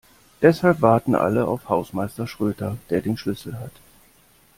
Deshalb warten alle auf Hausmeister Schröter, der den Schlüssel hat.